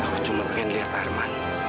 aku cuma pengen lihat herman